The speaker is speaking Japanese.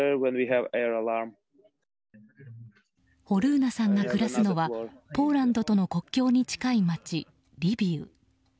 ホルーナさんが暮らすのはポーランドとの国境に近い街リビウ。